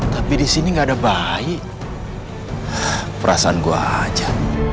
tapi disini enggak ada bayi perasaan gua aja